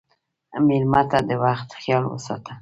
مېلمه ته د وخت خیال وساته.